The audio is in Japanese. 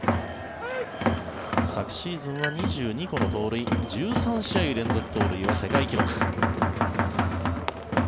昨シーズンは２２個の盗塁１３試合連続盗塁は世界記録。